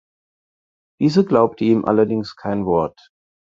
Diese glaubt ihn allerdings kein Wort.